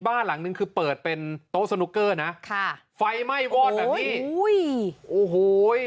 บ้านหลังนึงคือเปิดเป็นโต๊ะสนุกเกอร์นะค่ะไฟไหม้วอดแบบนี้อุ้ยโอ้โห